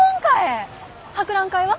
博覧会は？